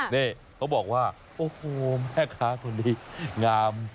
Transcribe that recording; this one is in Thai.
เพราะบอกว่าโอ้โหแม่ค้าตัวนี้งาม